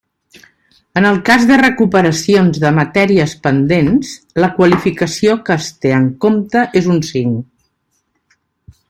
En el cas de recuperacions de matèries pendents, la qualificació que es té en compte és un cinc.